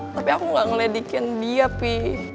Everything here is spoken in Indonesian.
tapi aku gak ngelidikin dia pi